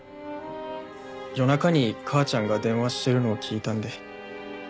夜中に母ちゃんが電話してるのを聞いたんで。